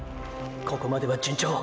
ここまでは順調。